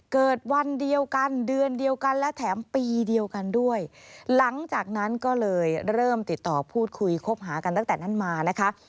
เกิดวันเดียวกันเดือนเดียวกันและแถมปีเดียวกันด้วยหลังจากนั้นก็เลยเริ่มติดต่อพูดคุยคบหากันตั้งแต่นั้นมานะคะ